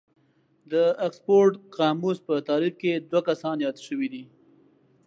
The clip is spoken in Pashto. د اکسفورډ قاموس په تعريف کې دوه کسان ياد شوي دي.